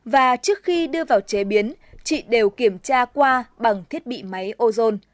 và trước khi đưa vào chế biến chị đều kiểm tra qua bằng thiết bị máy ozone